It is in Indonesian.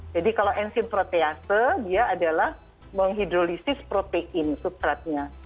jadi kalau enzim protease dia adalah menghidrolisis protein substratnya